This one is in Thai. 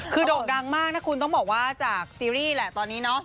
คือโด่งดังมากนะคุณต้องบอกว่าจากซีรีส์แหละตอนนี้เนาะ